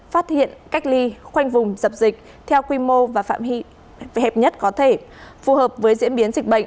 phát hiện cách ly khoanh vùng dập dịch theo quy mô và phạm vi hẹp nhất có thể phù hợp với diễn biến dịch bệnh